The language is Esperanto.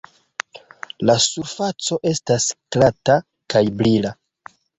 La surfaco estas glata kaj brila.